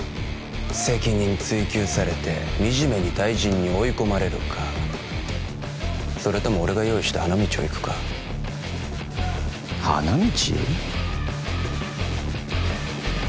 責任追及されてみじめに退陣に追い込まれるかそれとも俺が用意した花道を行くか花道？